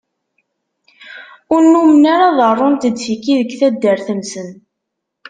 Ur nummen ara ḍerrunt-d tiki deg taddart-nsen.